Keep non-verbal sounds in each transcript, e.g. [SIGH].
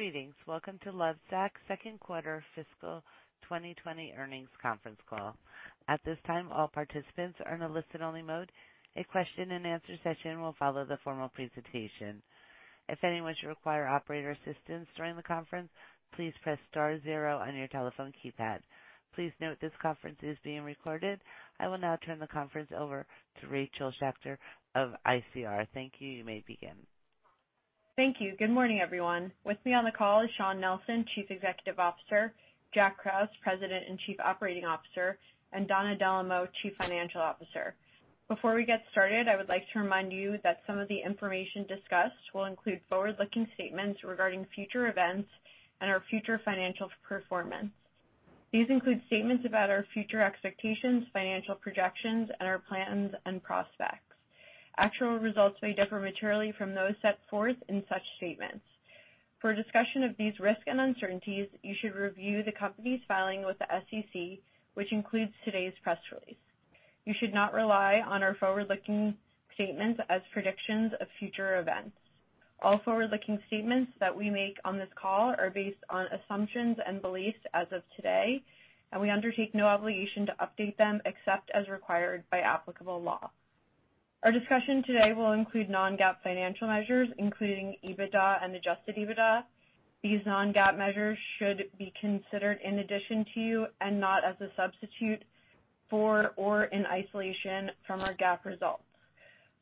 Greetings. Welcome to Lovesac's Q2 Fiscal 2020 Earnings Conference Call. At this time, all participants are in a listen-only mode. A question-and-answer session will follow the formal presentation. If anyone should require operator assistance during the conference, please press star zero on your telephone keypad. Please note this conference is being recorded. I will now turn the conference over to Rachel Schacter of ICR. Thank you. You may begin. Thank you. Good morning, everyone. With me on the call is Shawn Nelson, Chief Executive Officer, Jack Krause, President and Chief Operating Officer, and Donna Dellomo, Chief Financial Officer. Before we get started, I would like to remind you that some of the information discussed will include forward-looking statements regarding future events and our future financial performance. These include statements about our future expectations, financial projections, and our plans and prospects. Actual results may differ materially from those set forth in such statements. For a discussion of these risks and uncertainties, you should review the company's filing with the SEC, which includes today's press release. You should not rely on our forward-looking statements as predictions of future events. All forward-looking statements that we make on this call are based on assumptions and beliefs as of today, and we undertake no obligation to update them except as required by applicable law. Our discussion today will include non-GAAP financial measures, including EBITDA and adjusted EBITDA. These non-GAAP measures should be considered in addition to and not as a substitute for or in isolation from our GAAP results.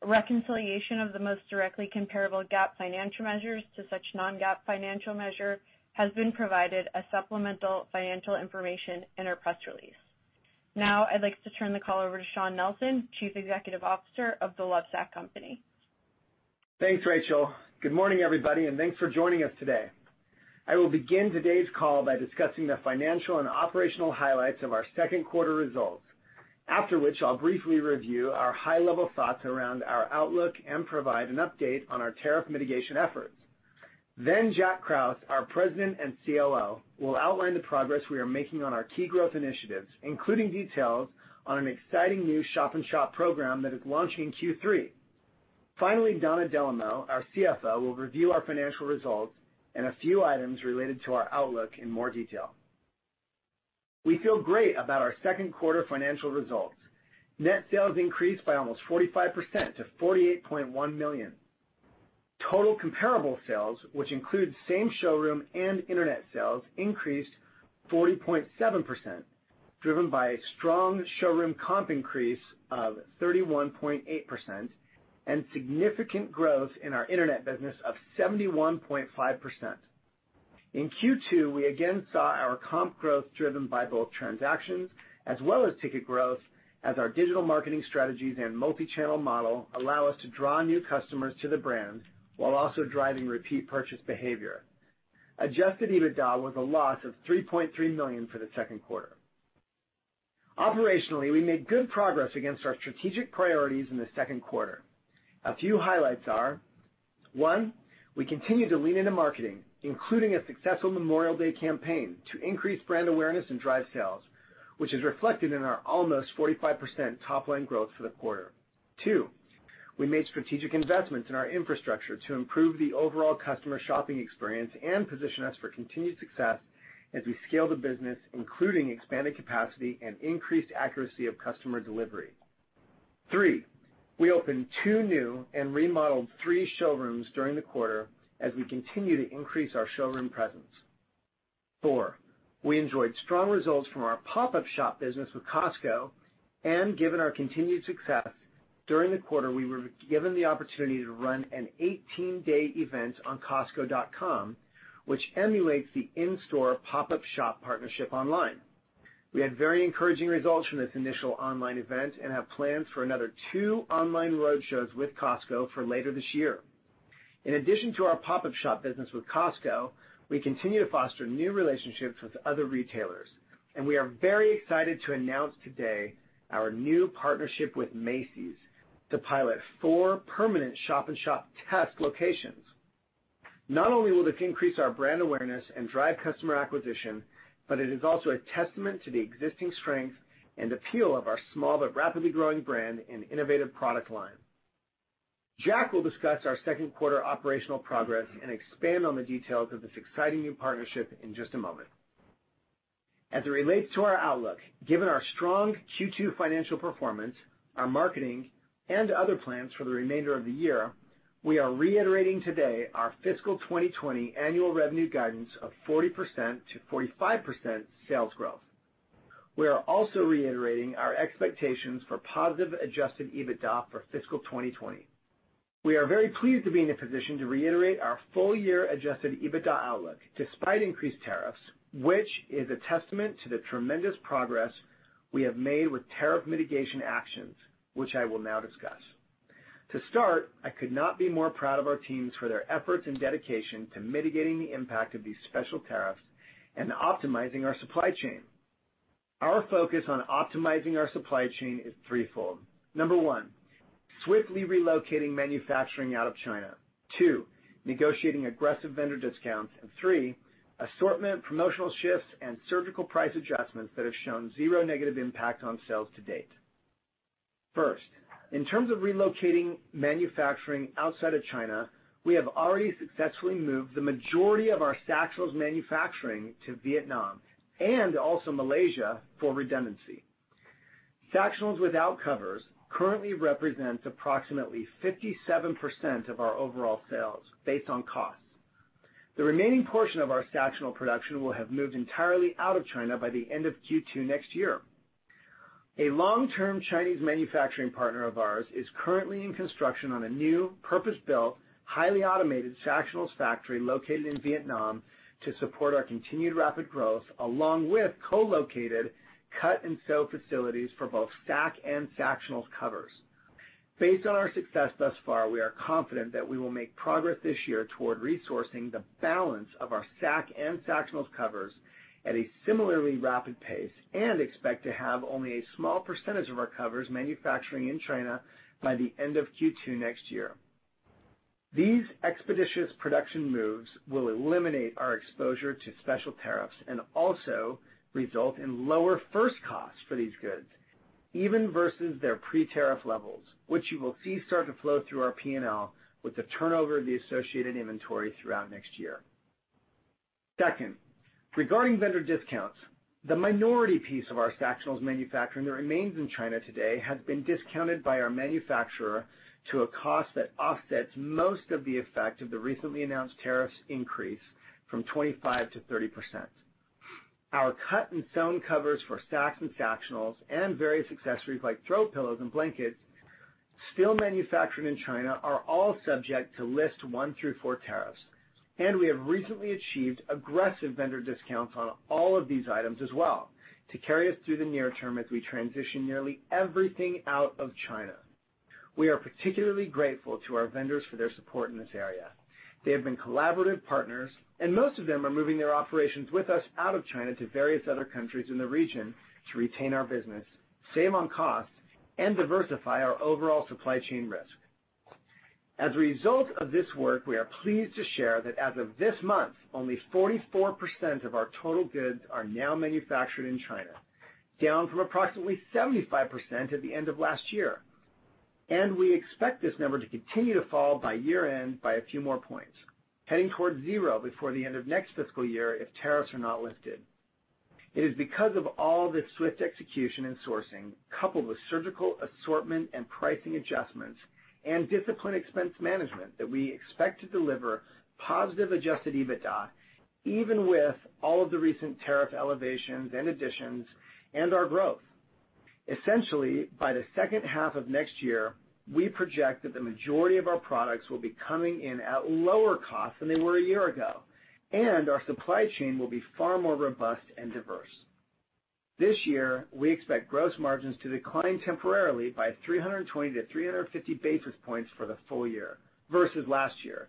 A reconciliation of the most directly comparable GAAP financial measures to such non-GAAP financial measure has been provided as supplemental financial information in our press release. Now I'd like to turn the call over to Shawn Nelson, Chief Executive Officer of The Lovesac Company. Thanks, Rachel. Good morning, everybody, and thanks for joining us today. I will begin today's call by discussing the financial and operational highlights of our Q2 results. After which I'll briefly review our high-level thoughts around our outlook and provide an update on our tariff mitigation efforts. Then Jack Krause, our President and COO, will outline the progress we are making on our key growth initiatives, including details on an exciting new shop-in-shop program that is launching in Q3. Finally, Donna Dellomo, our CFO, will review our financial results and a few items related to our outlook in more detail. We feel great about our Q2 financial results. Net sales increased by almost 45% to $48.1 million. Total comparable sales, which includes same showroom and internet sales, increased 40.7%, driven by a strong showroom comp increase of 31.8% and significant growth in our internet business of 71.5%. In Q2, we again saw our comp growth driven by both transactions as well as ticket growth, as our digital marketing strategies and multi-channel model allow us to draw new customers to the brand while also driving repeat purchase behavior. Adjusted EBITDA was a loss of $3.3 million for the Q2. Operationally, we made good progress against our strategic priorities in the Q2. A few highlights are, one, we continue to lean into marketing, including a successful Memorial Day campaign to increase brand awareness and drive sales, which is reflected in our almost 45% top-line growth for the quarter. Two, we made strategic investments in our infrastructure to improve the overall customer shopping experience and position us for continued success as we scale the business, including expanded capacity and increased accuracy of customer delivery. Three, we opened two new and remodeled three showrooms during the quarter as we continue to increase our showroom presence. Four, we enjoyed strong results from our pop-up shop business with Costco, and given our continued success, during the quarter, we were given the opportunity to run an 18-day event on costco.com, which emulates the in-store pop-up shop partnership online. We had very encouraging results from this initial online event and have plans for another two online roadshows with Costco for later this year. In addition to our pop-up shop business with Costco, we continue to foster new relationships with other retailers, and we are very excited to announce today our new partnership with Macy's to pilot four permanent shop-in-shop test locations. Not only will this increase our brand awareness and drive customer acquisition, but it is also a testament to the existing strength and appeal of our small but rapidly growing brand and innovative product line. Jack will discuss our Q2 operational progress and expand on the details of this exciting new partnership in just a moment. As it relates to our outlook, given our strong Q2 financial performance, our marketing, and other plans for the remainder of the year, we are reiterating today our fiscal 2020 annual revenue guidance of 40%-45% sales growth. We are also reiterating our expectations for positive adjusted EBITDA for fiscal 2020. We are very pleased to be in a position to reiterate our full-year adjusted EBITDA outlook despite increased tariffs, which is a testament to the tremendous progress we have made with tariff mitigation actions, which I will now discuss. To start, I could not be more proud of our teams for their efforts and dedication to mitigating the impact of these special tariffs and optimizing our supply chain. Our focus on optimizing our supply chain is threefold. Number one, swiftly relocating manufacturing out of China. Two, negotiating aggressive vendor discounts. And three, assortment, promotional shifts, and surgical price adjustments that have shown zero negative impact on sales to date. First, in terms of relocating manufacturing outside of China, we have already successfully moved the majority of our Sactionals manufacturing to Vietnam and also Malaysia for redundancy. Sactionals without covers currently represents approximately 57% of our overall sales based on costs. The remaining portion of our Sactionals production will have moved entirely out of China by the end of Q2 next year. A long-term Chinese manufacturing partner of ours is currently in construction on a new purpose-built, highly automated Sactionals factory located in Vietnam to support our continued rapid growth along with co-located cut and sew facilities for both Sacs and Sactionals covers. Based on our success thus far, we are confident that we will make progress this year toward resourcing the balance of our Sacs and Sactionals covers at a similarly rapid pace and expect to have only a small percentage of our covers manufacturing in China by the end of Q2 next year. These expeditious production moves will eliminate our exposure to special tariffs and also result in lower first costs for these goods, even versus their pre-tariff levels, which you will see start to flow through our P&L with the turnover of the associated inventory throughout next year. Second, regarding vendor discounts. The minority piece of our Sactionals manufacturing that remains in China today has been discounted by our manufacturer to a cost that offsets most of the effect of the recently announced tariffs increase from 25% to 30%. Our cut and sewn covers for Sacs and Sactionals and various accessories like throw pillows and blankets still manufactured in China are all subject to list one through four tariffs, and we have recently achieved aggressive vendor discounts on all of these items as well to carry us through the near term as we transition nearly everything out of China. We are particularly grateful to our vendors for their support in this area. They have been collaborative partners, and most of them are moving their operations with us out of China to various other countries in the region to retain our business, save on costs, and diversify our overall supply chain risk. As a result of this work, we are pleased to share that as of this month, only 44% of our total goods are now manufactured in China, down from approximately 75% at the end of last year. We expect this number to continue to fall by year-end by a few more points, heading towards zero before the end of next fiscal year if tariffs are not lifted. It is because of all this swift execution and sourcing, coupled with surgical assortment and pricing adjustments and disciplined expense management that we expect to deliver positive adjusted EBITDA, even with all of the recent tariff elevations and additions and our growth. Essentially, by the second half of next year, we project that the majority of our products will be coming in at lower cost than they were a year ago, and our supply chain will be far more robust and diverse. This year, we expect gross margins to decline temporarily by 320-350 basis points for the full year versus last year.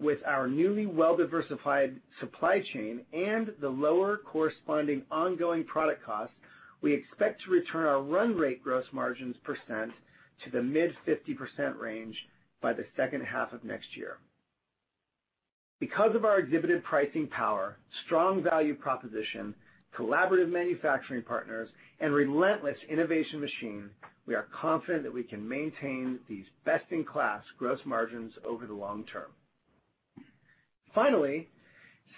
With our newly well-diversified supply chain and the lower corresponding ongoing product costs, we expect to return our run rate gross margins percent to the mid-50% range by the second half of next year. Because of our exhibited pricing power, strong value proposition, collaborative manufacturing partners, and relentless innovation machine, we are confident that we can maintain these best-in-class gross margins over the long term. Finally,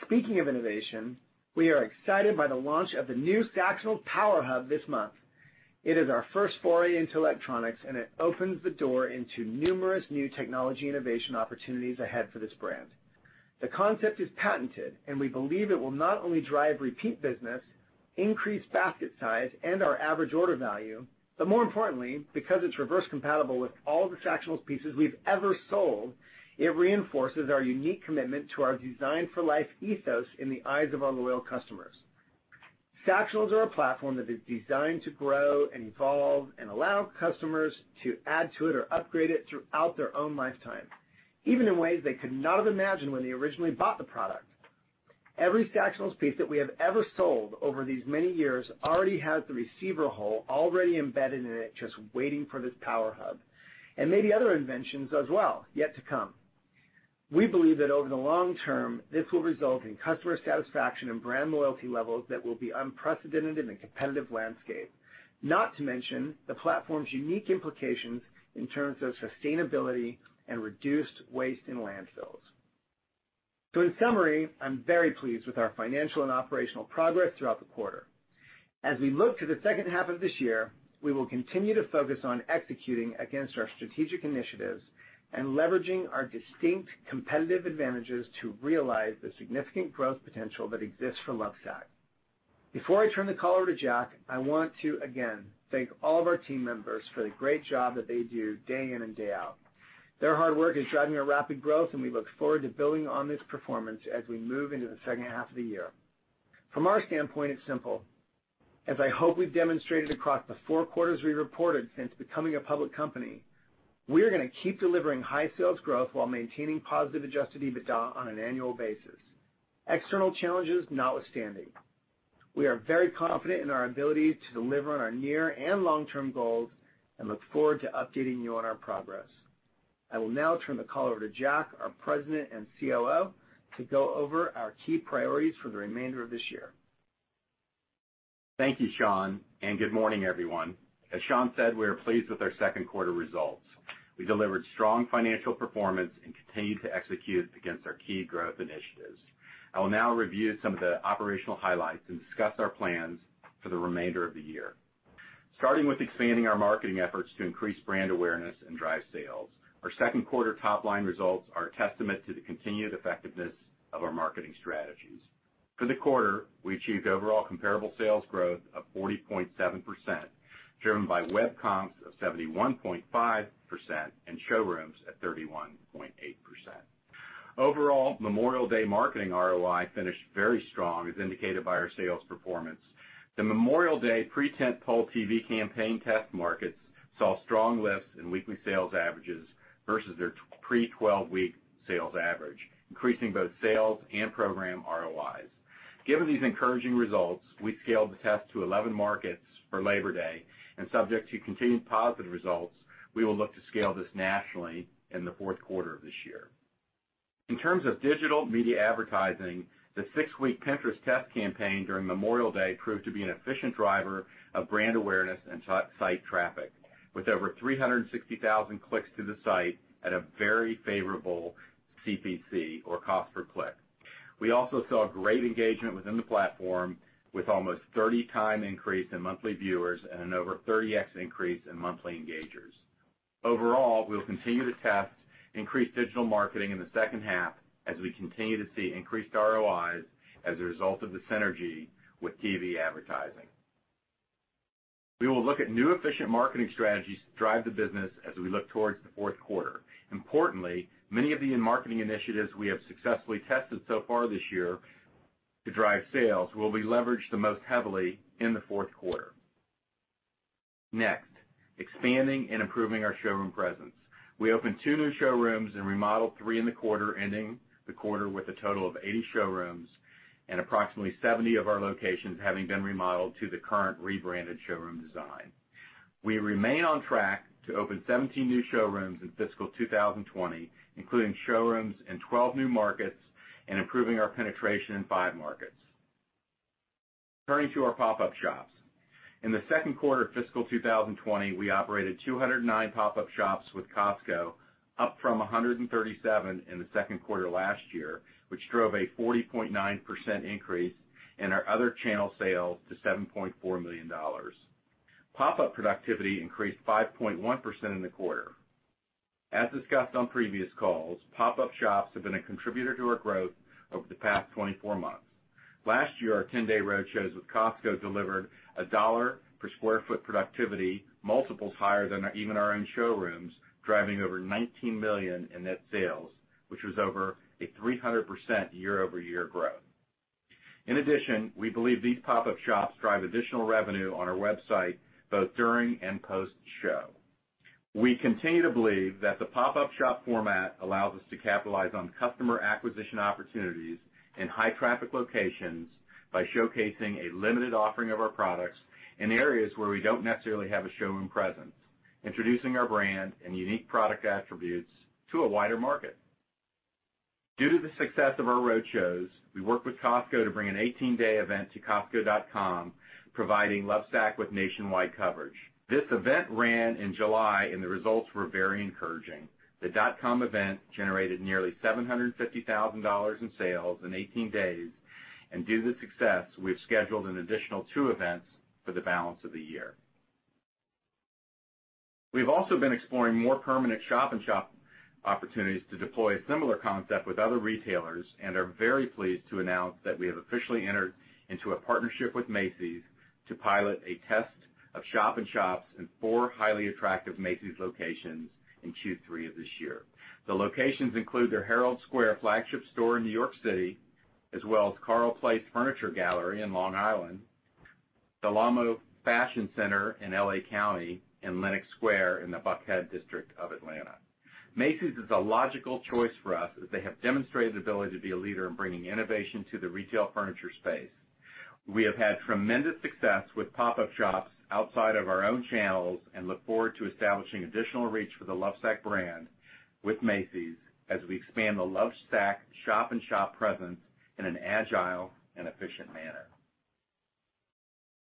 speaking of innovation, we are excited by the launch of the new Sactionals Power Hub this month. It is our first foray into electronics, and it opens the door into numerous new technology innovation opportunities ahead for this brand. The concept is patented, and we believe it will not only drive repeat business, increase basket size, and our average order value, but more importantly, because it's reverse-compatible with all the Sactionals pieces we've ever sold, it reinforces our unique commitment to our design for life ethos in the eyes of our loyal customers. Sactionals are a platform that is designed to grow and evolve and allow customers to add to it or upgrade it throughout their own lifetime, even in ways they could not have imagined when they originally bought the product. Every Sactionals piece that we have ever sold over these many years already has the receiver hole embedded in it just waiting for this Power Hub, and maybe other inventions as well yet to come. We believe that over the long term, this will result in customer satisfaction and brand loyalty levels that will be unprecedented in the competitive landscape, not to mention the platform's unique implications in terms of sustainability and reduced waste in landfills. In summary, I'm very pleased with our financial and operational progress throughout the quarter. As we look to the second half of this year, we will continue to focus on executing against our strategic initiatives and leveraging our distinct competitive advantages to realize the significant growth potential that exists for Lovesac. Before I turn the call over to Jack, I want to again thank all of our team members for the great job that they do day in and day out. Their hard work is driving our rapid growth, and we look forward to building on this performance as we move into the second half of the year. From our standpoint, it's simple. As I hope we've demonstrated across the four quarters we reported since becoming a public company, we're gonna keep delivering high sales growth while maintaining positive adjusted EBITDA on an annual basis. External challenges notwithstanding, we are very confident in our ability to deliver on our near and long-term goals and look forward to updating you on our progress. I will now turn the call over to Jack, our President and COO, to go over our key priorities for the remainder of this year. Thank you, Shawn, and good morning, everyone. As Shawn said, we are pleased with our Q2 results. We delivered strong financial performance and continued to execute against our key growth initiatives. I will now review some of the operational highlights and discuss our plans for the remainder of the year. Starting with expanding our marketing efforts to increase brand awareness and drive sales. Our Q2 top-line results are a testament to the continued effectiveness of our marketing strategies. For the quarter, we achieved overall comparable sales growth of 40.7%, driven by web comps of 71.5% and showrooms at 31.8%. Overall, Memorial Day marketing ROI finished very strong, as indicated by our sales performance. The Memorial Day tentpole TV campaign test markets saw strong lifts in weekly sales averages versus their 13-week sales average, increasing both sales and program ROIs. Given these encouraging results, we scaled the test to 11 markets for Labor Day, and subject to continued positive results, we will look to scale this nationally in the Q4 of this year. In terms of digital media advertising, the six-week Pinterest test campaign during Memorial Day proved to be an efficient driver of brand awareness and to-site traffic, with over 360,000 clicks to the site at a very favorable CPC or cost per click. We also saw great engagement within the platform with almost 30x increase in monthly viewers and an over 30x increase in monthly engagers. Overall, we'll continue to test increased digital marketing in the second half as we continue to see increased ROIs as a result of the synergy with TV advertising. We will look at new efficient marketing strategies to drive the business as we look towards the Q4. Importantly, many of the marketing initiatives we have successfully tested so far this year to drive sales will be leveraged the most heavily in the Q4. Next, expanding and improving our showroom presence, we opened two new showrooms and remodeled three in the quarter, ending the quarter with a total of 80 showrooms and approximately 70 of our locations having been remodeled to the current rebranded showroom design. We remain on track to open 17 new showrooms in fiscal 2020, including showrooms in 12 new markets and improving our penetration in five markets. Turning to our pop-up shops. In the Q2 of fiscal 2020, we operated 209 pop-up shops with Costco, up from 137 in the Q2 last year, which drove a 40.9% increase in our other channel sales to $7.4 million. Pop-up productivity increased 5.1% in the quarter. As discussed on previous calls, pop-up shops have been a contributor to our growth over the past 24 months. Last year, our 10-day road shows with Costco delivered a $1 per sq ft productivity multiples higher than even our own showrooms, driving over $19 million in net sales, which was over a 300% year-over-year growth. In addition, we believe these pop-up shops drive additional revenue on our website, both during and post-show. We continue to believe that the pop-up shop format allows us to capitalize on customer acquisition opportunities in high traffic locations by showcasing a limited offering of our products in areas where we don't necessarily have a showroom presence, introducing our brand and unique product attributes to a wider market. Due to the success of our road shows, we worked with Costco to bring an 18-day event to costco.com, providing Lovesac with nationwide coverage. This event ran in July, and the results were very encouraging. The dot-com event generated nearly $750,000 in sales in 18 days, and due to the success, we've scheduled an additional two events for the balance of the year. We've also been exploring more permanent shop-in-shop opportunities to deploy a similar concept with other retailers and are very pleased to announce that we have officially entered into a partnership with Macy's to pilot a test of shop-in-shops in four highly attractive Macy's locations in Q3 of this year. The locations include their Herald Square flagship store in New York City, as well as Carle Place Furniture Gallery in Long Island, the Los Cerritos Center in L.A. County, and Lenox Square in the Buckhead District of Atlanta. Macy's is a logical choice for us as they have demonstrated the ability to be a leader in bringing innovation to the retail furniture space. We have had tremendous success with pop-up shops outside of our own channels and look forward to establishing additional reach for the Lovesac brand with Macy's as we expand the Lovesac shop-in-shop presence in an agile and efficient manner.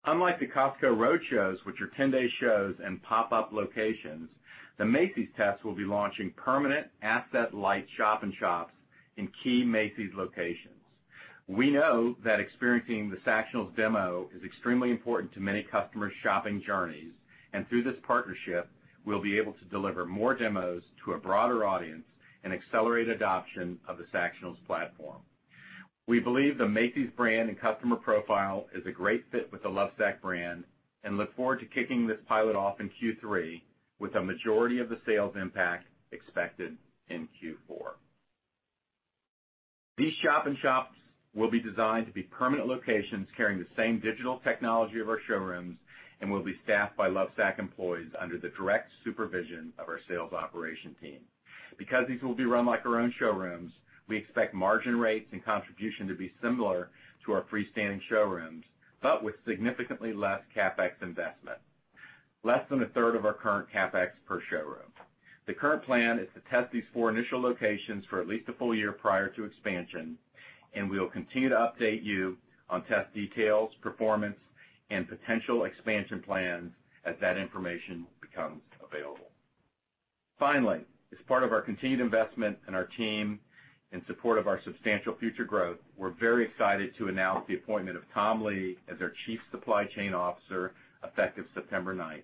Unlike the Costco road shows, which are 10-day shows and pop-up locations, the Macy's tests will be launching permanent asset-light shop-in-shops in key Macy's locations. We know that experiencing the Sactionals demo is extremely important to many customers' shopping journeys, and through this partnership, we'll be able to deliver more demos to a broader audience and accelerate adoption of the Sactionals platform. We believe the Macy's brand and customer profile is a great fit with the Lovesac brand and look forward to kicking this pilot off in Q3 with a majority of the sales impact expected in Q4. These shop-in-shops will be designed to be permanent locations carrying the same digital technology of our showrooms and will be staffed by Lovesac employees under the direct supervision of our sales operation team. Because these will be run like our own showrooms, we expect margin rates and contribution to be similar to our freestanding showrooms, but with significantly less CapEx investment. Less than a third of our current CapEx per showroom. The current plan is to test these four initial locations for at least a full year prior to expansion, and we will continue to update you on test details, performance, and potential expansion plans as that information becomes available. Finally, as part of our continued investment in our team in support of our substantial future growth, we're very excited to announce the appointment of Tom Lee as our Chief Supply Chain Officer, effective September 9.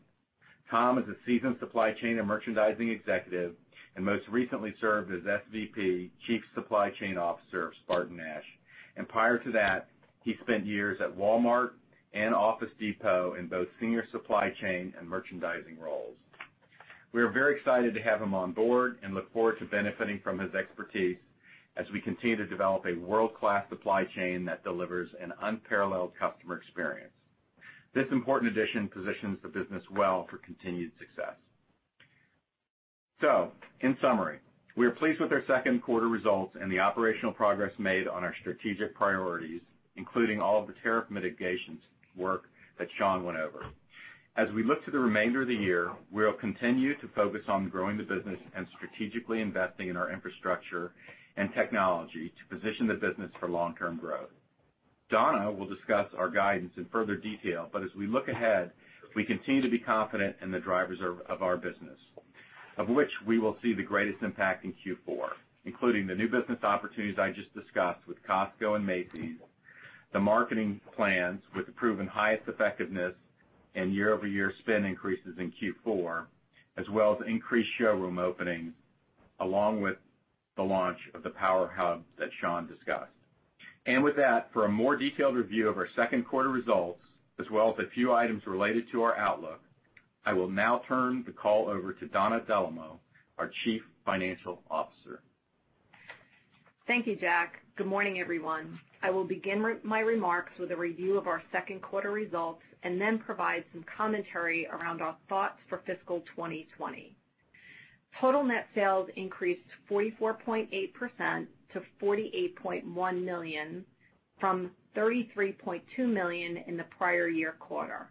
Tom is a seasoned supply chain and merchandising executive, and most recently served as SVP Chief Supply Chain Officer of SpartanNash. Prior to that, he spent years at Walmart and Office Depot in both senior supply chain and merchandising roles. We are very excited to have him on board and look forward to benefiting from his expertise as we continue to develop a world-class supply chain that delivers an unparalleled customer experience. This important addition positions the business well for continued success. In summary, we are pleased with our Q2 results and the operational progress made on our strategic priorities, including all of the tariff mitigations work that Shawn went over. As we look to the remainder of the year, we'll continue to focus on growing the business and strategically investing in our infrastructure and technology to position the business for long-term growth. Donna will discuss our guidance in further detail, but as we look ahead, we continue to be confident in the drivers of our business, of which we will see the greatest impact in Q4, including the new business opportunities I just discussed with Costco and Macy's, the marketing plans with proven highest effectiveness and year-over-year spend increases in Q4, as well as increased showroom openings, along with the launch of the Power Hub that Shawn discussed. With that, for a more detailed review of our Q2 results, as well as a few items related to our outlook, I will now turn the call over to Donna Dellomo, our Chief Financial Officer. Thank you, Jack. Good morning, everyone. I will begin my remarks with a review of our Q2 results, and then provide some commentary around our thoughts for fiscal 2020. Total net sales increased 44.8% to $48.1 million, from $33.2 million in the prior year quarter.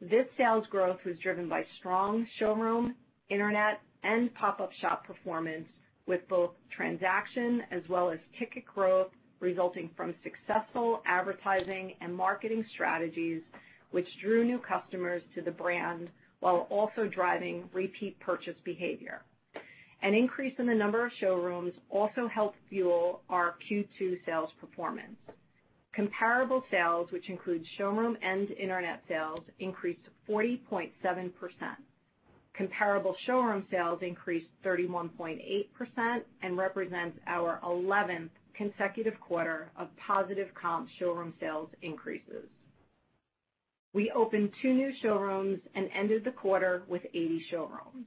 This sales growth was driven by strong showroom, internet, and pop-up shop performance, with both transaction as well as ticket growth resulting from successful advertising and marketing strategies, which drew new customers to the brand while also driving repeat purchase behavior. An increase in the number of showrooms also helped fuel our Q2 sales performance. Comparable sales, which includes showroom and internet sales, increased 40.7%. Comparable showroom sales increased 31.8% and represents our 11th consecutive quarter of positive comp showroom sales increases. We opened 2 new showrooms and ended the quarter with 80 showrooms.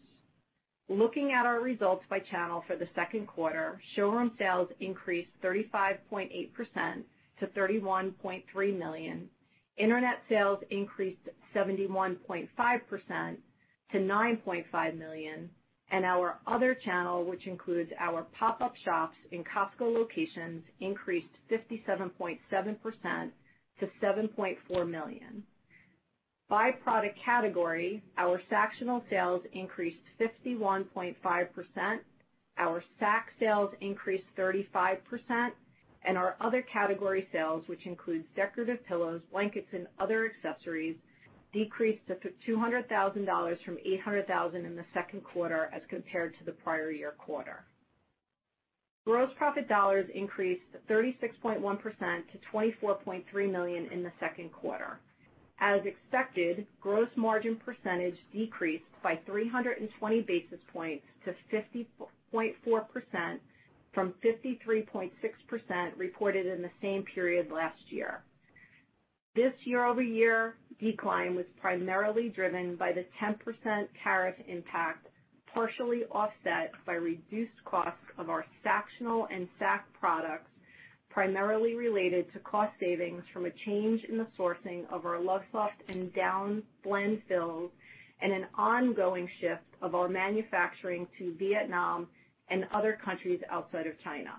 Looking at our results by channel for the Q2, showroom sales increased 35.8% to $31.3 million. Internet sales increased 71.5% to $9.5 million. Our other channel, which includes our pop-up shops in Costco locations, increased 57.7% to $7.4 million. By product category, our Sactionals sales increased 51.5%, our Sacs sales increased 35%, and our other category sales, which includes decorative pillows, blankets, and other accessories, decreased to $200,000 from $800,000 in the Q2 as compared to the prior year quarter. Gross profit dollars increased 36.1% to $24.3 million in the Q2. As expected, gross margin percentage decreased by 320 basis points to 50.4% from 53.6% reported in the same period last year. This year-over-year decline was primarily driven by the 10% tariff impact, partially offset by reduced costs of our Sactionals and Sacs products, primarily related to cost savings from a change in the sourcing of our Lovesoft and down blend fills, and an ongoing shift of our manufacturing to Vietnam and other countries outside of China.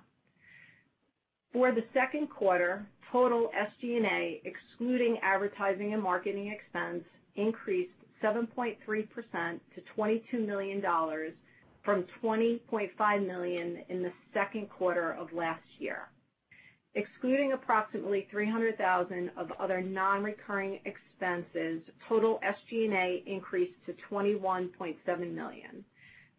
For the Q2, total SG&A, excluding advertising and marketing expense, increased 7.3% to $22 million from $20.5 million in the Q2 of last year. Excluding approximately $300,000 of other non-recurring expenses, total SG&A increased to $21.7 million.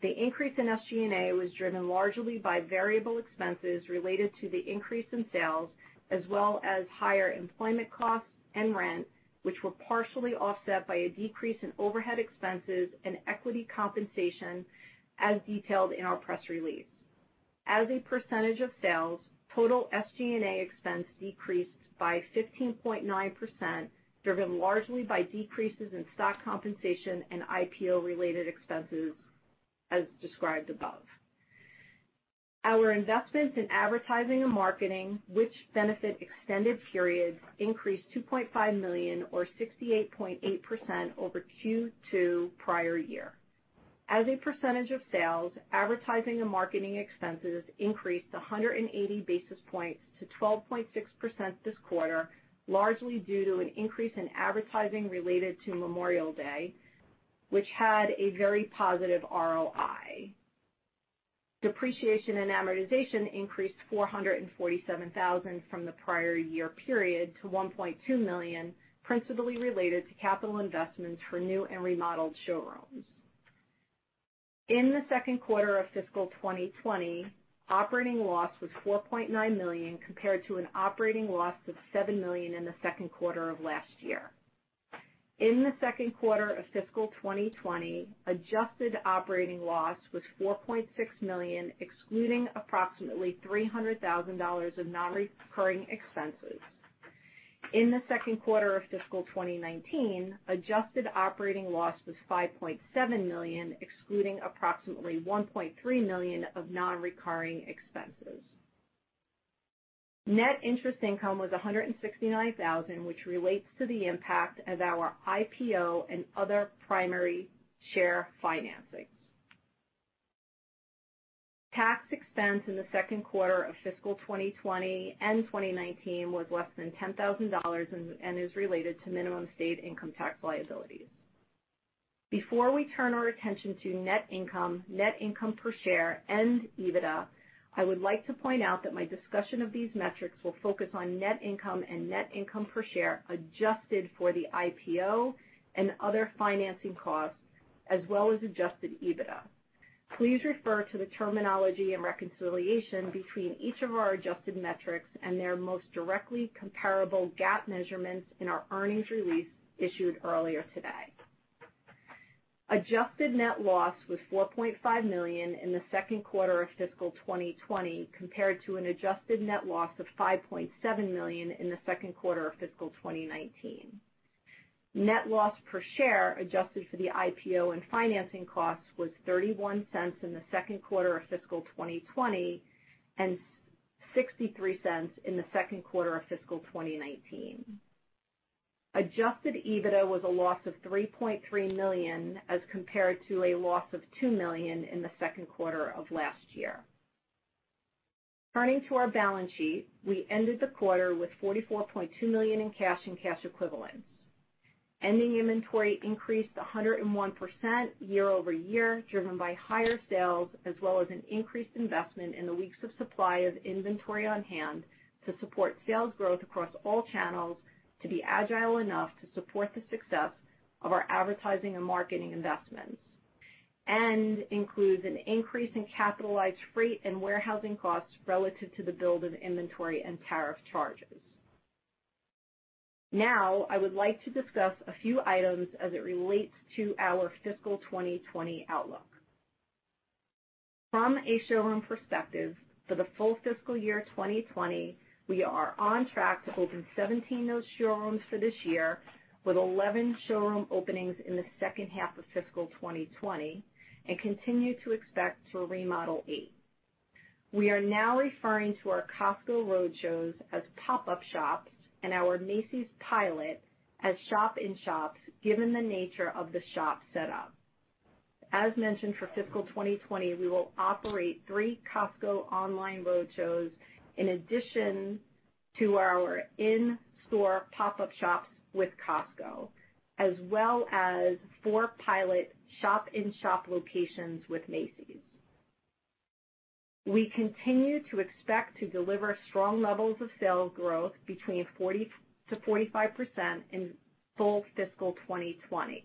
The increase in SG&A was driven largely by variable expenses related to the increase in sales, as well as higher employment costs and rent, which were partially offset by a decrease in overhead expenses and equity compensation as detailed in our press release. As a percentage of sales, total SG&A expense decreased by 15.9%, driven largely by decreases in stock compensation and IPO-related expenses as described above. Our investments in advertising and marketing, which benefit extended periods, increased $2.5 million or 68.8% over Q2 prior year. As a percentage of sales, advertising and marketing expenses increased 180 basis points to 12.6% this quarter, largely due to an increase in advertising related to Memorial Day, which had a very positive ROI. Depreciation and amortization increased $447,000 from the prior year period to $1.2 million, principally related to capital investments for new and remodeled showrooms. In the Q2 of fiscal 2020, operating loss was $4.9 million compared to an operating loss of $7 million in the Q2 of last year. In the Q2 of fiscal 2020, adjusted operating loss was $4.6 million, excluding approximately $300,000 of non-recurring expenses. In the Q2 of fiscal 2019, adjusted operating loss was $5.7 million, excluding approximately $1.3 million of non-recurring expenses. Net interest income was $169,000, which relates to the impact of our IPO and other primary share financings. Tax expense in the Q2 of fiscal 2020 and 2019 was less than $10,000 and is related to minimum state income tax liabilities. Before we turn our attention to net income, net income per share and EBITDA, I would like to point out that my discussion of these metrics will focus on net income and net income per share adjusted for the IPO and other financing costs, as well as adjusted EBITDA. Please refer to the terminology and reconciliation between each of our adjusted metrics and their most directly comparable GAAP measurements in our earnings release issued earlier today. Adjusted net loss was $4.5 million in the Q2 of fiscal 2020, compared to an adjusted net loss of $5.7 million in the Q2 of fiscal 2019. Net loss per share adjusted for the IPO and financing costs was $0.31 in the Q2 of fiscal 2020 and $0.63 in the Q2 of fiscal 2019. Adjusted EBITDA was a loss of $3.3 million, as compared to a loss of $2 million in the Q2 of last year. Turning to our balance sheet, we ended the quarter with $44.2 million in cash and cash equivalents. Ending inventory increased 101% year-over-year, driven by higher sales as well as an increased investment in the weeks of supply of inventory on hand to support sales growth across all channels to be agile enough to support the success of our advertising and marketing investments, and includes an increase in capitalized freight and warehousing costs relative to the build of inventory and tariff charges. Now, I would like to discuss a few items as it relates to our fiscal 2020 outlook. From a showroom perspective, for the full fiscal year 2020, we are on track to open 17 new showrooms for this year with 11 showroom openings in the second half of fiscal 2020 and continue to expect to remodel eight. We are now referring to our Costco roadshows as pop-up shops and our Macy's pilot as shop-in-shops, given the nature of the shop setup. As mentioned for fiscal 2020, we will operate three Costco online roadshows in addition to our in-store pop-up shops with Costco, as well as four pilot shop-in-shop locations with Macy's. We continue to expect to deliver strong levels of sales growth between 40%-45% in full fiscal 2020.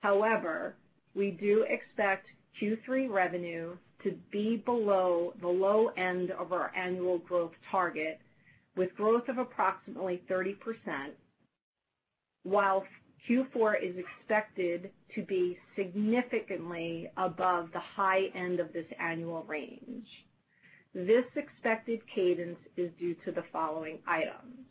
However, we do expect Q3 revenue to be below the low end of our annual growth target with growth of approximately 30%, while Q4 is expected to be significantly above the high end of this annual range. This expected cadence is due to the following items.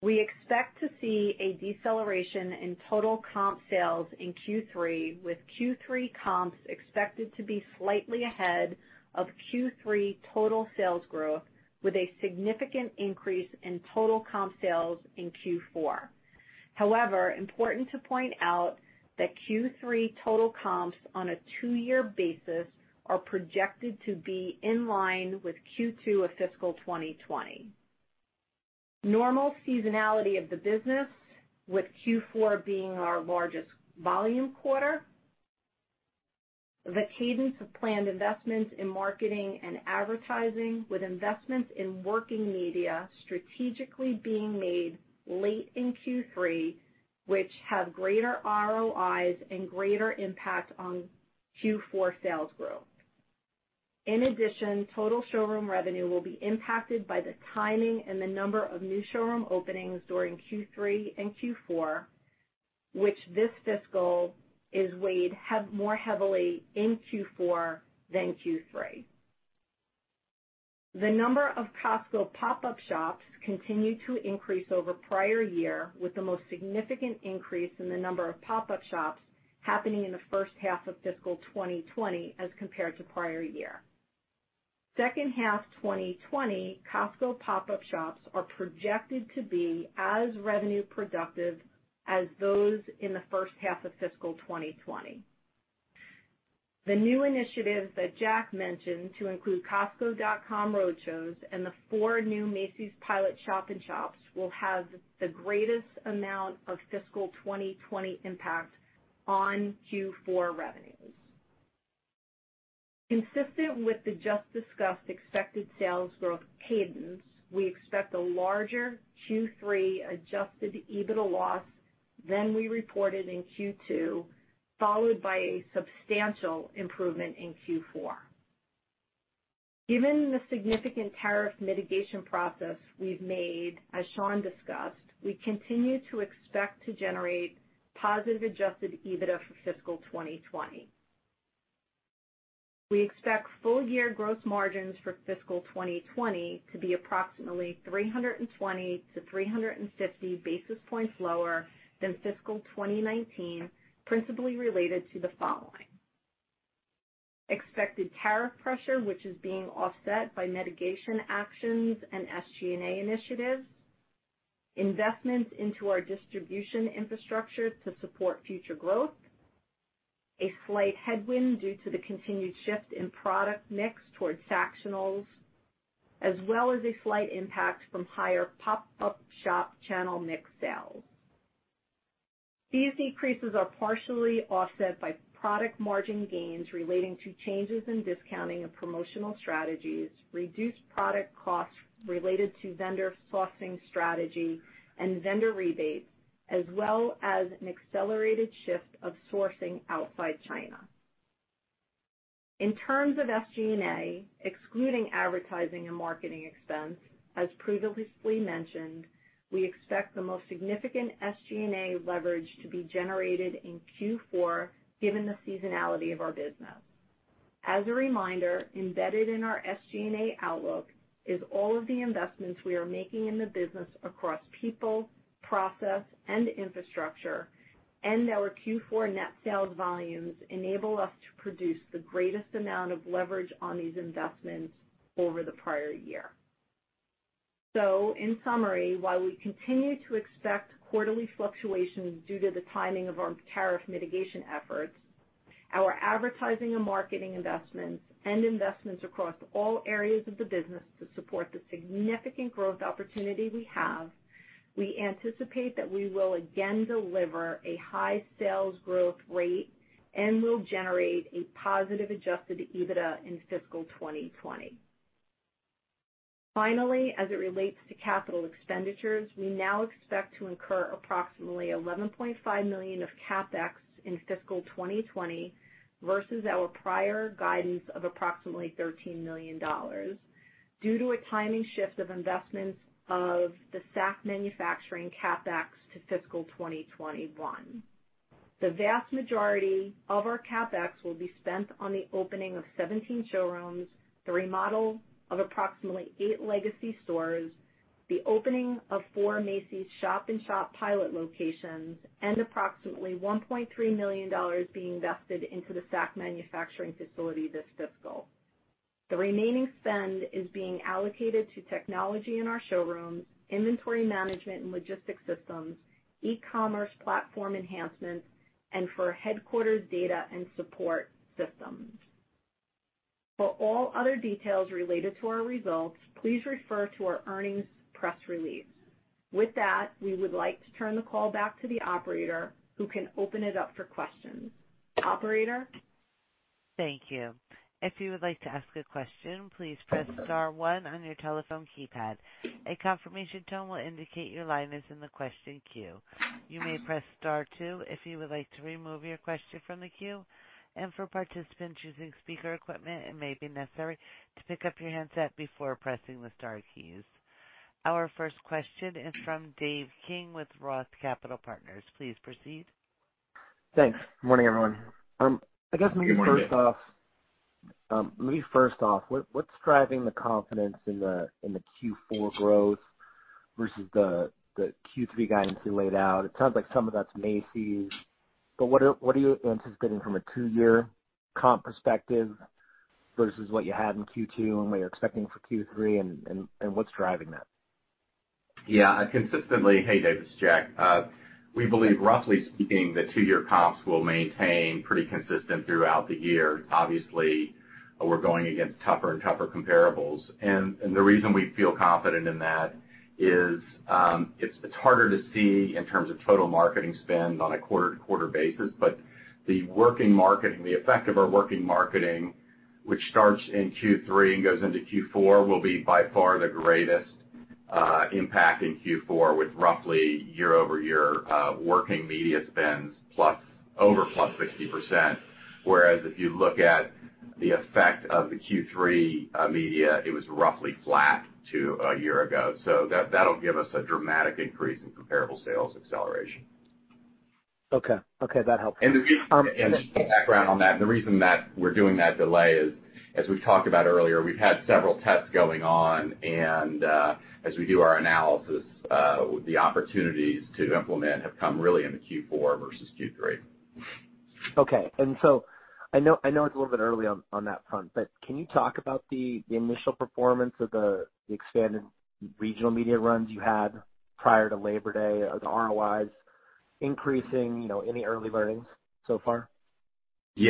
We expect to see a deceleration in total comp sales in Q3, with Q3 comps expected to be slightly ahead of Q3 total sales growth, with a significant increase in total comp sales in Q4. However, it's important to point out that Q3 total comps on a two-year basis are projected to be in line with Q2 of fiscal 2020. Normal seasonality of the business with Q4 being our largest volume quarter. The cadence of planned investments in marketing and advertising with investments in working media strategically being made late in Q3, which have greater ROIs and greater impact on Q4 sales growth. In addition, total showroom revenue will be impacted by the timing and the number of new showroom openings during Q3 and Q4, which this fiscal is weighed more heavily in Q4 than Q3. The number of Costco pop-up shops continued to increase over prior year, with the most significant increase in the number of pop-up shops happening in the first half of fiscal 2020 as compared to prior year. Second half 2020, Costco pop-up shops are projected to be as revenue productive as those in the first half of fiscal 2020. The new initiatives that Jack mentioned to include costco.com roadshows and the four new Macy's pilot shop-in-shops will have the greatest amount of fiscal 2020 impact on Q4 revenues. Consistent with the just-discussed expected sales growth cadence, we expect a larger Q3 adjusted EBITDA loss than we reported in Q2, followed by a substantial improvement in Q4. Given the significant tariff mitigation process we've made, as Shawn discussed, we continue to expect to generate positive adjusted EBITDA for fiscal 2020. We expect full-year gross margins for fiscal 2020 to be approximately 320-350 basis points lower than fiscal 2019, principally related to the following. Expected tariff pressure, which is being offset by mitigation actions and SG&A initiatives. Investments into our distribution infrastructure to support future growth. A slight headwind due to the continued shift in product mix towards Sactionals, as well as a slight impact from higher pop-up shop channel mix sales. These decreases are partially offset by product margin gains relating to changes in discounting of promotional strategies, reduced product costs related to vendor sourcing strategy and vendor rebates, as well as an accelerated shift of sourcing outside China. In terms of SG&A, excluding advertising and marketing expense, as previously mentioned, we expect the most significant SG&A leverage to be generated in Q4, given the seasonality of our business. As a reminder, embedded in our SG&A outlook is all of the investments we are making in the business across people, process, and infrastructure, and our Q4 net sales volumes enable us to produce the greatest amount of leverage on these investments over the prior year. In summary, while we continue to expect quarterly fluctuations due to the timing of our tariff mitigation efforts, our advertising and marketing investments and investments across all areas of the business to support the significant growth opportunity we have, we anticipate that we will again deliver a high sales growth rate and will generate a positive adjusted EBITDA in fiscal 2020. Finally, as it relates to capital expenditures, we now expect to incur approximately $11.5 million of CapEx in fiscal 2020 versus our prior guidance of approximately $13 million due to a timing shift of investments of the Sacs manufacturing CapEx to fiscal 2021. The vast majority of our CapEx will be spent on the opening of 17 showrooms, the remodel of approximately eight legacy stores, the opening of four Macy's shop-in-shop pilot locations, and approximately $1.3 million being invested into the Sacs manufacturing facility this fiscal. The remaining spend is being allocated to technology in our showrooms, inventory management and logistics systems, e-commerce platform enhancements, and for headquarters data and support systems. For all other details related to our results, please refer to our earnings press release. With that, we would like to turn the call back to the operator, who can open it up for questions. Operator? Thank you. If you would like to ask a question, please press star one on your telephone keypad. A confirmation tone will indicate your line is in the question queue. You may press star two if you would like to remove your question from the queue. For participants using speaker equipment, it may be necessary to pick up your handset before pressing the star keys. Our first question is from Dave King with Roth Capital Partners. Please proceed. Thanks. Good morning, everyone. [CROSSTALK] Good morning, Dave. I guess maybe first off, what's driving the confidence in the Q4 growth versus the Q3 guidance you laid out? It sounds like some of that's Macy's, but what are you anticipating from a two-year comp perspective versus what you had in Q2 and what you're expecting for Q3 and what's driving that? Yeah. Hey, Dave, it's Jack. We believe, roughly speaking, the two-year comps will maintain pretty consistent throughout the year. Obviously, we're going against tougher and tougher comparables. The reason we feel confident in that is, it's harder to see in terms of total marketing spend on a quarter-to-quarter basis. The working marketing, the effect of our working marketing, which starts in Q3 and goes into Q4, will be by far the greatest impact in Q4, with roughly year-over-year working media spends over +60%. Whereas if you look at the effect of the Q3 media, it was roughly flat to a year ago. That'll give us a dramatic increase in comparable sales acceleration. Okay. Okay, that helps. Just background on that, the reason that we're doing that delay is, as we've talked about earlier, we've had several tests going on, and as we do our analysis, the opportunities to implement have come really in the Q4 versus Q3. Okay. I know, I know it's a little bit early on that front, but can you talk about the initial performance of the expanded regional media runs you had prior to Labor Day? Are the ROIs increasing? You know, any early learnings so far? The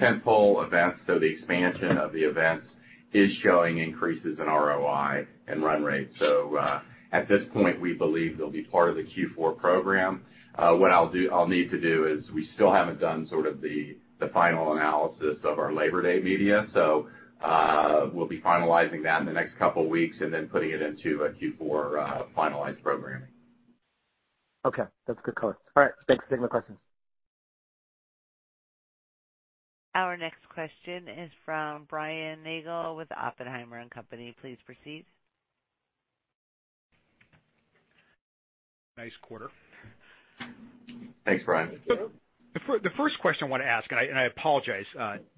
tentpole events, the expansion of the events is showing increases in ROI and run rate. At this point, we believe they'll be part of the Q4 program. What I'll need to do is we still haven't done sort of the final analysis of our Labor Day media. We'll be finalizing that in the next couple weeks and then putting it into a Q4 finalized programming. Okay. That's good color. All right. Thanks. Thanks for the question. Our next question is from Brian Nagel with Oppenheimer & Co. Inc. Please proceed. Nice quarter. Thanks, Brian. The first question I wanna ask, and I apologize,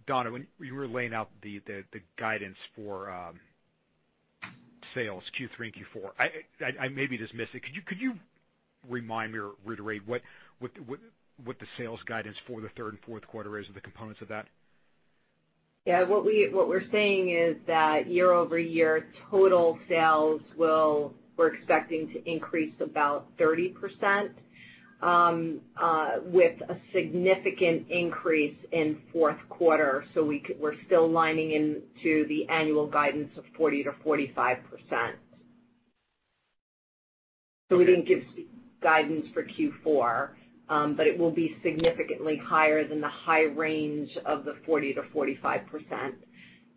Donna, when you were laying out the guidance for sales Q3 and Q4, I maybe just missed it. Could you remind me or reiterate what the sales guidance for the third and Q4 is and the components of that? What we're saying is that year-over-year, total sales we're expecting to increase about 30%, with a significant increase in Q4. We're still aligning with the annual guidance of 40%-45%. We didn't give guidance for Q4, but it will be significantly higher than the high range of the 40%-45%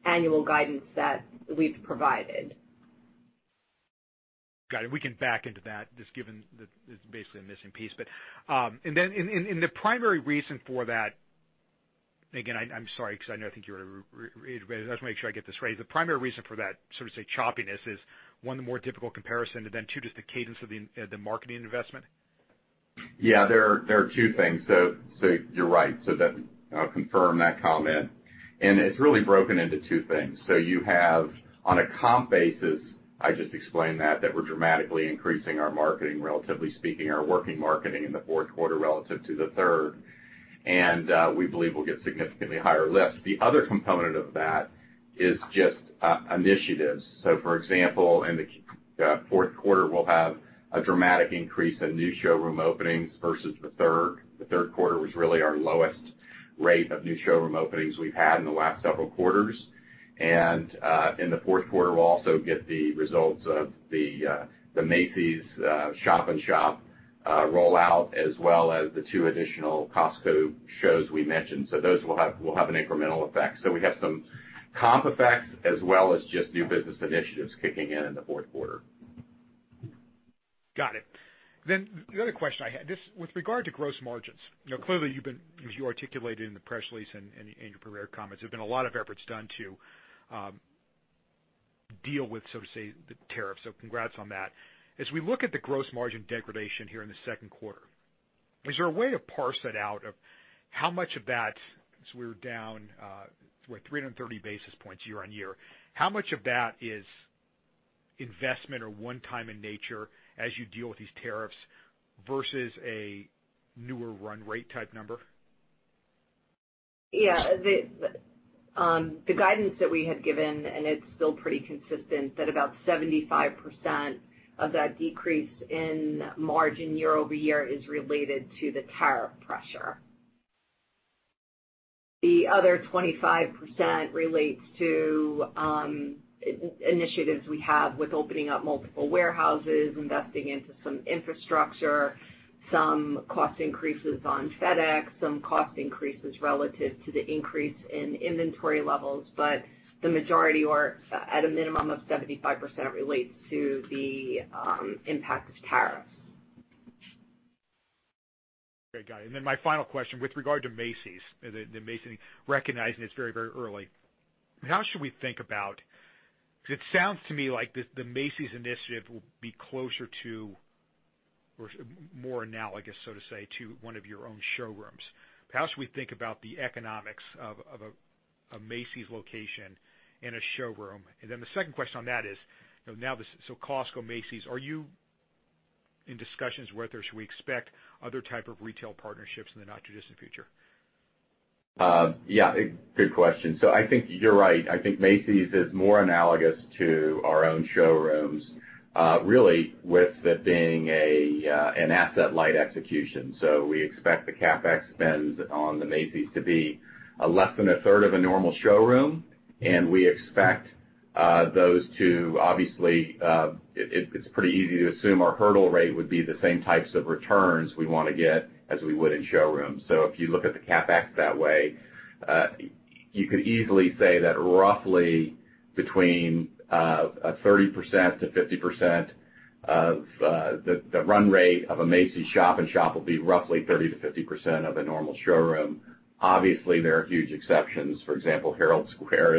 annual guidance that we've provided. Got it. We can back into that just given it's basically a missing piece. The primary reason for that, again, I'm sorry, 'cause I know I think I just wanna make sure I get this right. The primary reason for that, sort of, say, choppiness is, one, the more difficult comparison, and then two, just the cadence of the marketing investment? Yeah. There are two things. You're right. That, I'll confirm that comment. It's really broken into two things. You have on a comps basis, I just explained that we're dramatically increasing our marketing, relatively speaking, our working marketing in the Q4 relative to the third. We believe we'll get significantly higher lifts. The other component of that is just initiatives. For example, in the Q4, we'll have a dramatic increase in new showroom openings versus the third. The Q3 was really our lowest rate of new showroom openings we've had in the last several quarters. In the Q4, we'll also get the results of the Macy's shop-in-shop rollout, as well as the two additional Costco shows we mentioned. Those will have an incremental effect. We have some comp effects as well as just new business initiatives kicking in in the Q4. Got it. The other question I had, this with regard to gross margins, you know, clearly you've been, as you articulated in the press release and in your prepared comments, there's been a lot of efforts done to deal with, so to say, the tariffs. Congrats on that. As we look at the gross margin degradation here in the Q2, is there a way to parse that out of how much of that, so we're down, what? 330 basis points year-on-year. How much of that is investment or one time in nature as you deal with these tariffs versus a newer run rate type number? Yeah. The guidance that we had given, and it's still pretty consistent, that about 75% of that decrease in margin year-over-year is related to the tariff pressure. The other 25% relates to initiatives we have with opening up multiple warehouses, investing into some infrastructure, some cost increases on FedEx, some cost increases relative to the increase in inventory levels. But the majority, or at a minimum of 75% relates to the impact of tariffs. Okay. Got it. Then my final question with regard to Macy's, recognizing it's very, very early, how should we think about 'Cause it sounds to me like the Macy's initiative will be closer to or more analogous, so to say, to one of your own showrooms. How should we think about the economics of a Macy's location in a showroom? The second question on that is, you know, now this, so Costco, Macy's, are you in discussions whether we should expect other type of retail partnerships in the not too distant future? Yeah. Good question. I think you're right. I think Macy's is more analogous to our own showrooms, really with it being an asset light execution. We expect the CapEx spend on the Macy's to be less than 1/3 of a normal showroom, and we expect those to obviously it's pretty easy to assume our hurdle rate would be the same types of returns we wanna get as we would in showrooms. If you look at the CapEx that way, you could easily say that roughly between 30%-50% of the run rate of a Macy's shop-in-shop will be roughly 30%-50% of a normal showroom. Obviously, there are huge exceptions. For example, Herald Square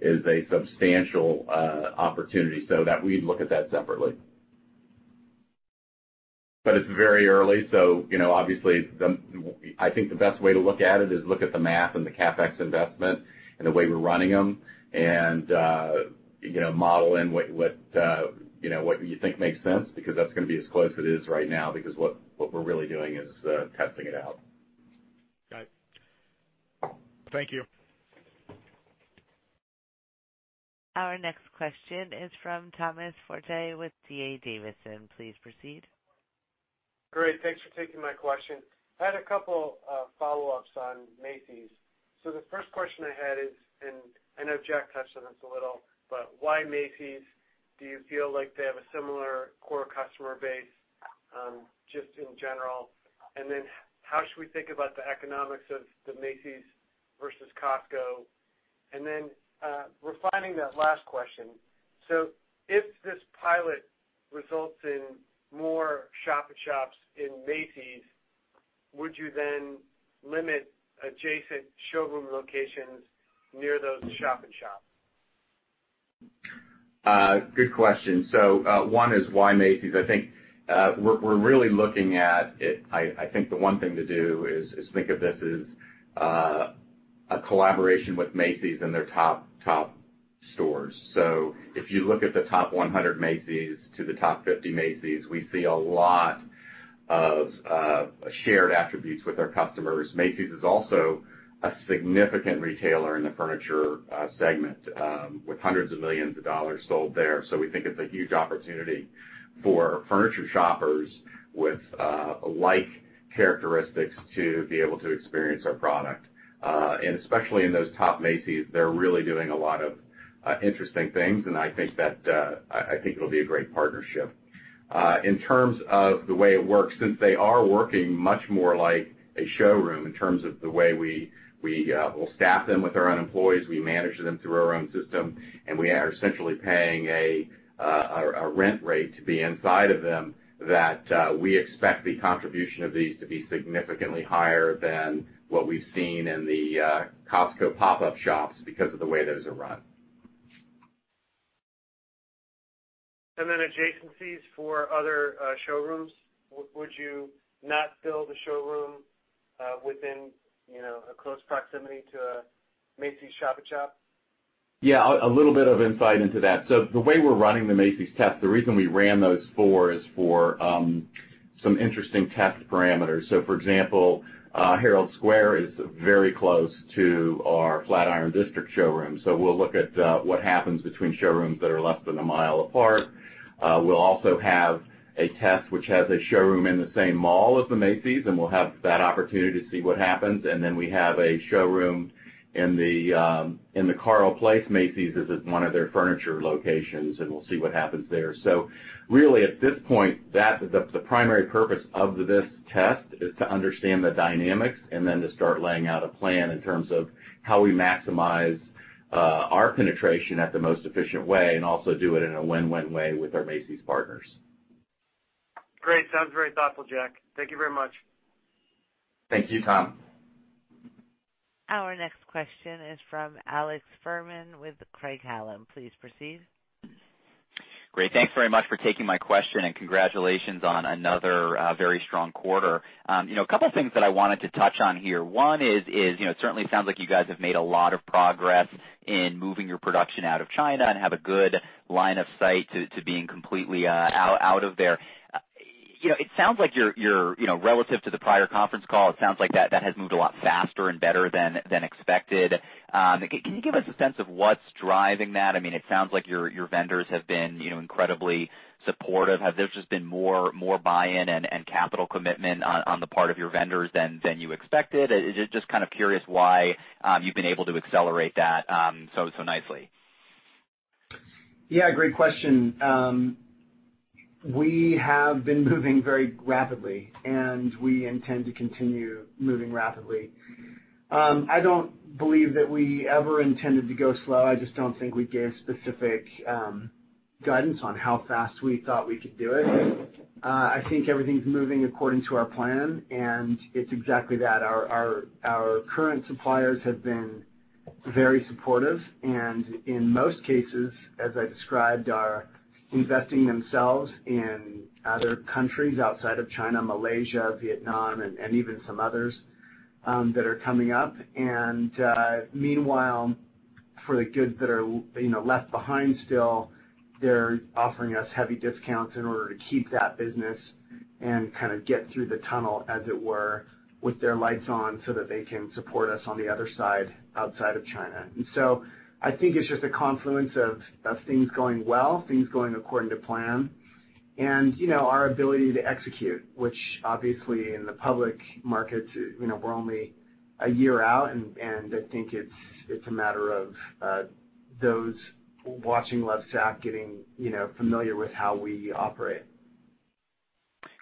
is a substantial opportunity, so that we'd look at that separately. It's very early. You know, obviously I think the best way to look at it is look at the math and the CapEx investment and the way we're running them and, you know, model in what, you know, what you think makes sense, because that's gonna be as close as it is right now, because what we're really doing is testing it out. Got it. Thank you. Our next question is from Thomas Forte with D.A. Davidson. Please proceed. Great. Thanks for taking my question. I had a couple follow-ups on Macy's. The first question I had is, I know Jack touched on this a little, but why Macy's? Do you feel like they have a similar core customer base, just in general? How should we think about the economics of the Macy's versus Costco? Refining that last question, if this pilot results in more shop-in-shops in Macy's, would you then limit adjacent showroom locations near those shop-in-shops? Good question. One is why Macy's? I think we're really looking at it. I think the one thing to do is think of this as a collaboration with Macy's and their top stores. If you look at the top 100 Macy's to the top 50 Macy's, we see a lot of shared attributes with our customers. Macy's is also a significant retailer in the furniture segment with hundreds of millions of dollars sold there. We think it's a huge opportunity for furniture shoppers with like characteristics to be able to experience our product. Especially in those top Macy's, they're really doing a lot of interesting things, and I think it'll be a great partnership. In terms of the way it works, since they are working much more like a showroom in terms of the way we will staff them with our own employees, we manage them through our own system, and we are essentially paying a rent rate to be inside of them that we expect the contribution of these to be significantly higher than what we've seen in the Costco pop-up shops because of the way those are run. Adjacencies for other showrooms. Would you not build a showroom within you know a close proximity to a Macy's shop-in-shop? Yeah, a little bit of insight into that. The way we're running the Macy's test, the reason we ran those four is for some interesting test parameters. For example, Herald Square is very close to our Flatiron District showroom. We'll look at what happens between showrooms that are less than a mile apart. We'll also have a test which has a showroom in the same mall as the Macy's, and we'll have that opportunity to see what happens. Then we have a showroom in the Carle Place Macy's. This is one of their furniture locations, and we'll see what happens there. Really at this point, that. The primary purpose of this test is to understand the dynamics and then to start laying out a plan in terms of how we maximize our penetration at the most efficient way and also do it in a win-win way with our Macy's partners. Great. Sounds very thoughtful, Jack. Thank you very much. Thank you, Tom. Our next question is from Alex Fuhrman with Craig-Hallum. Please proceed. Great. Thanks very much for taking my question, and congratulations on another very strong quarter. You know, a couple things that I wanted to touch on here. One is, you know, it certainly sounds like you guys have made a lot of progress in moving your production out of China and have a good line of sight to being completely out of there. You know, it sounds like you're, you know, relative to the prior conference call, it sounds like that has moved a lot faster and better than expected. Can you give us a sense of what's driving that? I mean, it sounds like your vendors have been, you know, incredibly supportive. Have there just been more buy-in and capital commitment on the part of your vendors than you expected? Just kind of curious why you've been able to accelerate that so nicely. Yeah, great question. We have been moving very rapidly, and we intend to continue moving rapidly. I don't believe that we ever intended to go slow. I just don't think we gave specific guidance on how fast we thought we could do it. I think everything's moving according to our plan, and it's exactly that. Our current suppliers have been very supportive, and in most cases, as I described, are investing themselves in other countries outside of China, Malaysia, Vietnam, and even some others that are coming up. Meanwhile, for the goods that are, you know, left behind still, they're offering us heavy discounts in order to keep that business and kind of get through the tunnel as it were, with their lights on so that they can support us on the other side, outside of China. I think it's just a confluence of things going well, things going according to plan, and, you know, our ability to execute, which obviously in the public market, you know, we're only a year out, and I think it's a matter of those watching Lovesac getting, you know, familiar with how we operate.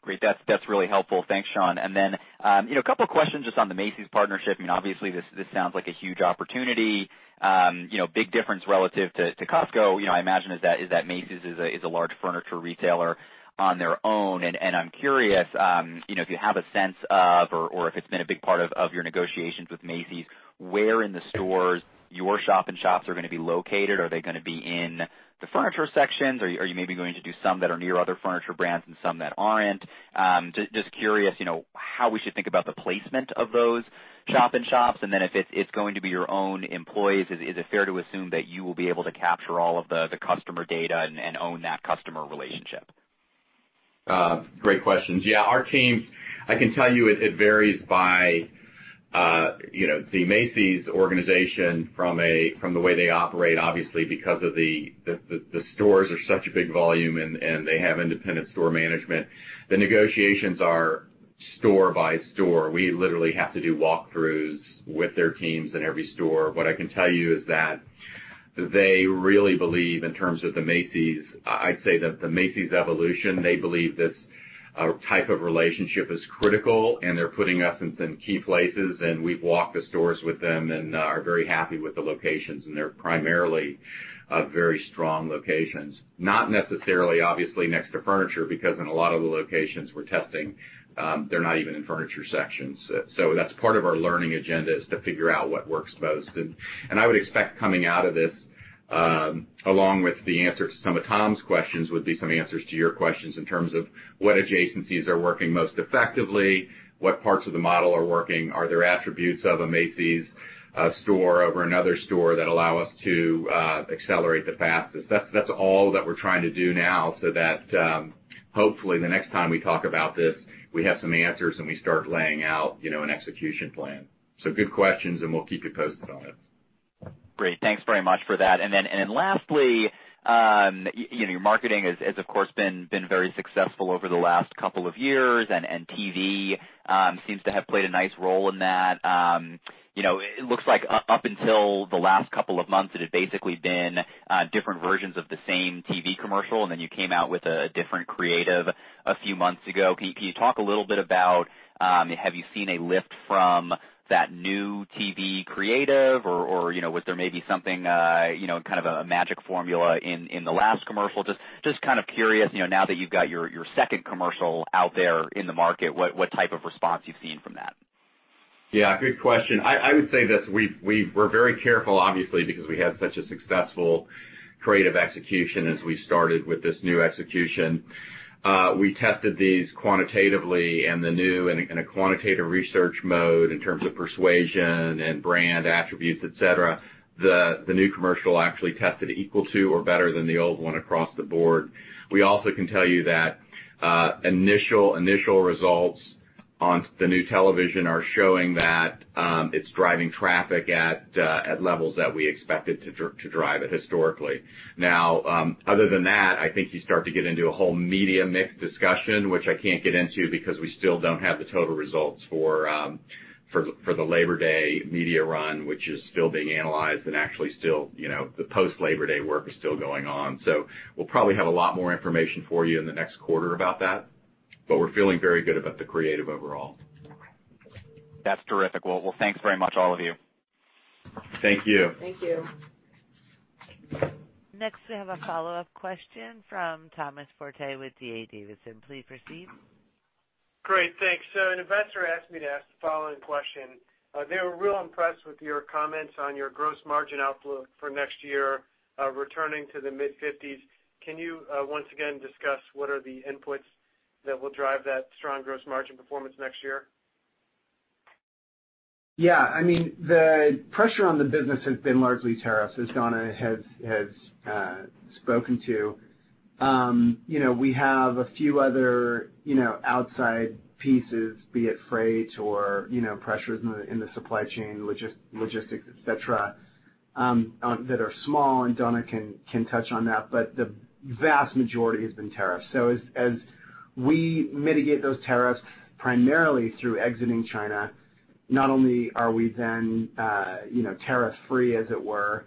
Great. That's really helpful. Thanks, Shawn. Then a couple questions just on the Macy's partnership. You know, obviously this sounds like a huge opportunity. You know, big difference relative to Costco, you know, I imagine is that Macy's is a large furniture retailer on their own. I'm curious, you know, if you have a sense of or if it's been a big part of your negotiations with Macy's, where in the stores your shop-in-shops are gonna be located? Are they gonna be in the furniture sections? Are you maybe going to do some that are near other furniture brands and some that aren't? Just curious, you know, how we should think about the placement of those shop-in-shops. If it's going to be your own employees, is it fair to assume that you will be able to capture all of the customer data and own that customer relationship? Great questions. Yeah, our teams, I can tell you it varies by, you know, the Macy's organization from the way they operate, obviously, because of the stores are such a big volume and they have independent store management. The negotiations are store by store. We literally have to do walkthroughs with their teams in every store. What I can tell you is that they really believe in terms of the Macy's, I'd say that the Macy's evolution, they believe this type of relationship is critical, and they're putting us in some key places, and we've walked the stores with them and are very happy with the locations, and they're primarily very strong locations. Not necessarily, obviously, next to furniture because in a lot of the locations we're testing, they're not even in furniture sections. That's part of our learning agenda is to figure out what works most. I would expect coming out of this, along with the answer to some of Tom's questions, would be some answers to your questions in terms of what adjacencies are working most effectively, what parts of the model are working, are there attributes of a Macy's store over another store that allow us to accelerate the fastest. That's all that we're trying to do now, so that hopefully the next time we talk about this, we have some answers, and we start laying out, you know, an execution plan. Good questions, and we'll keep you posted on it. Great. Thanks very much for that. Lastly, you know, your marketing has of course been very successful over the last couple of years, and TV seems to have played a nice role in that. You know, it looks like up until the last couple of months, it had basically been different versions of the same TV commercial, and then you came out with a different creative a few months ago. Can you talk a little bit about have you seen a lift from that new TV creative? Or you know, was there maybe something you know, kind of a magic formula in the last commercial? Just kind of curious, you know, now that you've got your second commercial out there in the market, what type of response you've seen from that? Yeah, good question. I would say this. We're very careful, obviously, because we had such a successful creative execution as we started with this new execution. We tested these quantitatively and the new in a quantitative research mode in terms of persuasion and brand attributes, et cetera. The new commercial actually tested equal to or better than the old one across the board. We also can tell you that initial results on the new television are showing that it's driving traffic at levels that we expect it to drive it historically. Now, other than that, I think you start to get into a whole media mix discussion, which I can't get into because we still don't have the total results for the Labor Day media run, which is still being analyzed and actually still, you know, the post-Labor Day work is still going on. So we'll probably have a lot more information for you in the next quarter about that, but we're feeling very good about the creative overall. That's terrific. Well, thanks very much, all of you. Thank you. Thank you. Next, we have a follow-up question from Thomas Forte with D.A. Davidson. Please proceed. Great. Thanks. An investor asked me to ask the following question. They were real impressed with your comments on your gross margin outlook for next year, returning to the mid-50s. Can you once again discuss what are the inputs that will drive that strong gross margin performance next year? Yeah. I mean, the pressure on the business has been largely tariffs, as Donna has spoken to. You know, we have a few other, you know, outside pieces, be it freight or, you know, pressures in the, in the supply chain, logistics, et cetera, that are small, and Donna can touch on that. But the vast majority has been tariffs. So as we mitigate those tariffs primarily through exiting China, not only are we then, you know, tariff-free, as it were,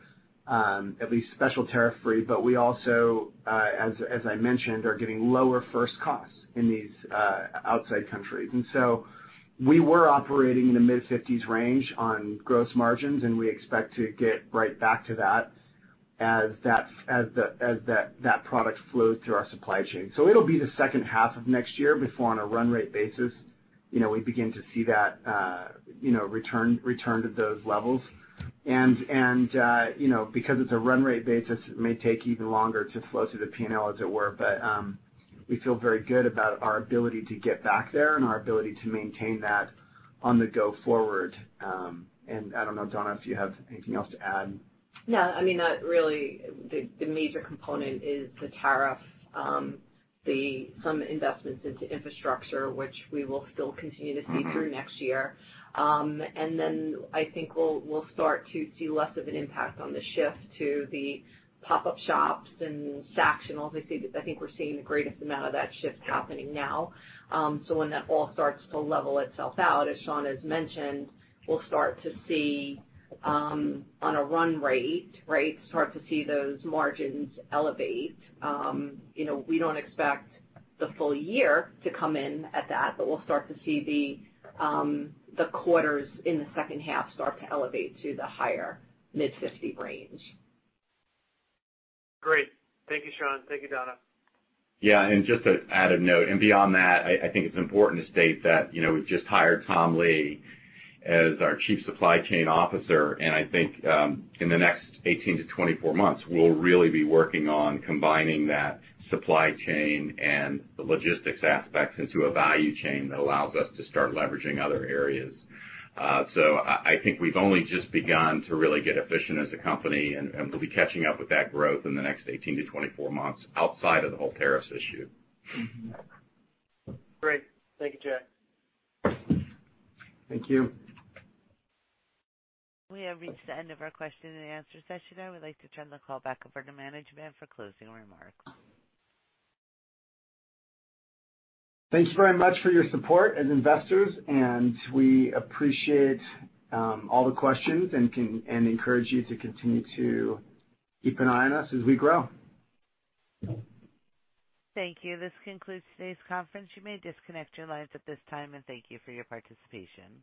at least special tariff-free, but we also, as I mentioned, are getting lower first costs in these, outside countries. We were operating in the mid-50s% range on gross margins, and we expect to get right back to that as that product flows through our supply chain. It'll be the second half of next year before on a run rate basis, you know, we begin to see that, you know, return to those levels. You know, because it's a run rate basis, it may take even longer to flow through the P&L, as it were. We feel very good about our ability to get back there and our ability to maintain that going forward. I don't know, Donna, if you have anything else to add. No. I mean, not really. The major component is the tariff, some investments into infrastructure, which we will still continue to see through next year. I think we'll start to see less of an impact on the shift to the pop-up shops and Sacs and all. I think we're seeing the greatest amount of that shift happening now. When that all starts to level itself out, as Shawn has mentioned, we'll start to see on a run rate, right, start to see those margins elevate. You know, we don't expect the full year to come in at that, we'll start to see the quarters in the second half start to elevate to the higher mid-50% range. Great. Thank you, Shawn. Thank you, Donna. Yeah. Just to add a note. Beyond that, I think it's important to state that, you know, we've just hired Tom Lee as our Chief Supply Chain Officer. I think in the next 18-24 months, we'll really be working on combining that supply chain and the logistics aspects into a value chain that allows us to start leveraging other areas. So I think we've only just begun to really get efficient as a company, and we'll be catching up with that growth in the next 18-24 months outside of the whole tariffs issue. Great. Thank you, Jack. Thank you. We have reached the end of our question-and-answer session. I would like to turn the call back over to management for closing remarks. Thanks very much for your support as investors, and we appreciate all the questions and encourage you to continue to keep an eye on us as we grow. Thank you. This concludes today's conference. You may disconnect your lines at this time, and thank you for your participation.